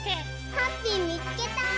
ハッピーみつけた！